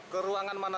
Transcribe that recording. ke ruangan mana